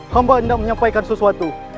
hamba tidak menyampaikan sesuatu